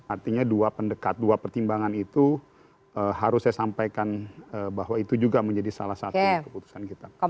artinya dua pendekat dua pertimbangan itu harus saya sampaikan bahwa itu juga menjadi salah satu keputusan kita